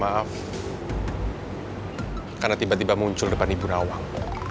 maaf karena tiba tiba muncul depan ibu rawang